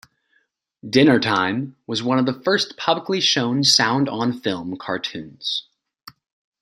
"Dinner Time" was one of the first publicly shown sound-on-film cartoons.